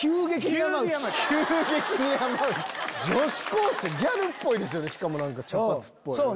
女子高生ギャルっぽいですよねしかも茶髪っぽい。